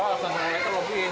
oh satu meter lebih